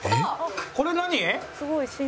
これ何？